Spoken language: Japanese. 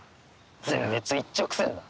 全滅一直線だ。